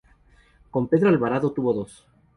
Con Pedro Alvarado tuvo dos.